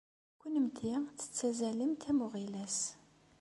Kennemti tettazzalemt am uɣilas.